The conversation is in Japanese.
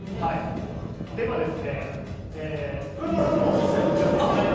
では、深澤さんとも一切打ち合わせしてません。